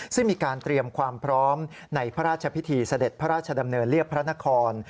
ซึ่งมีการเตรียมความพร้อมในพระราชพิธีเสด็จพระราชดำเนินเรียบพระนคร